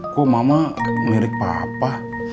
kok mama mirip papa